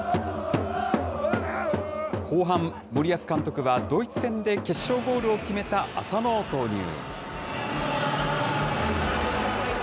後半、森保監督はドイツ戦で決勝ゴールを決めた浅野を投入。